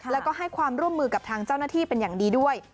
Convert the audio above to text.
แล้วก็ให้ความร่วมมือกับทางเจ้าหน้าที่เป็นอย่างดีด้วย